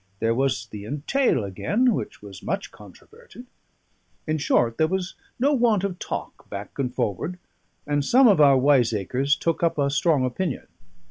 There was the entail, again, which was much controverted. In short, there was no want of talk, back and forward; and some of our wiseacres took up a strong opinion.